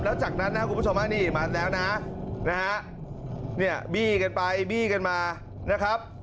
แล้วจากนั้นนะครับคุณผู้ชมนี่มาแล้วนะนะฮะเนี่ยบี้กันไปบี้กันมานะครับ